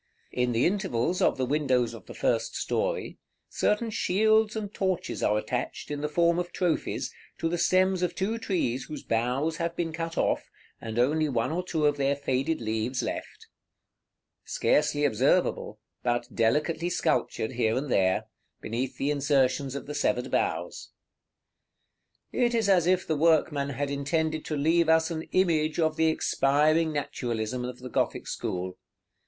In the intervals of the windows of the first story, certain shields and torches are attached, in the form of trophies, to the stems of two trees whose boughs have been cut off, and only one or two of their faded leaves left, scarcely observable, but delicately sculptured here and there, beneath the insertions of the severed boughs. It is as if the workman had intended to leave us an image of the expiring naturalism of the Gothic school.